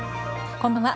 こんばんは。